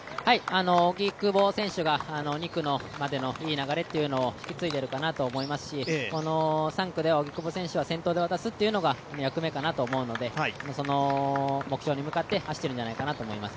荻久保選手が２区までのいい流れというのを引き継いでいるかと思いますし、３区で荻久保選手が先頭で渡すのが役目じゃないかと思うので、その目標に向かって走っているんじゃないかなと思います。